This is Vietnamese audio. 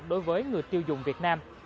đối với người tiêu dùng việt nam